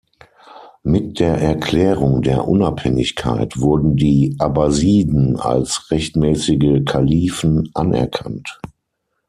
Mit der Erklärung der Unabhängigkeit wurden die Abbasiden als rechtmäßige Kalifen anerkannt.